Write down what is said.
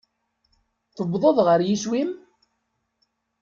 Tewwḍeḍ ɣer yiswi-m?